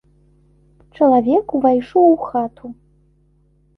Чалавек увайшоў у хату.